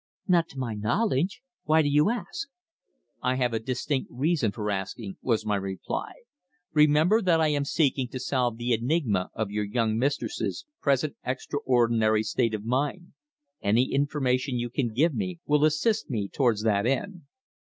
"Not to my knowledge. Why do you ask?" "I have a distinct reason for asking," was my reply. "Remember that I am seeking to solve the enigma of your young mistress's present extraordinary state of mind. Any information you can give me will assist me towards that end."